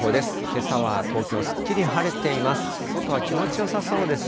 けさは東京、すっきり晴れています。